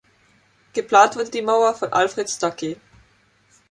Geplant wurde die Mauer von Alfred Stucky.